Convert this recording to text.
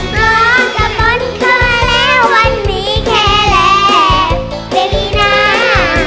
มองกับมนต์เขาแล้ววันนี้แค่แรงเด็กดีน้า